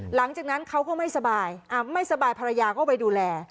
หลังจากนั้นเขาก็ไม่สบายไม่สบายภรรยาก็ไปดูแล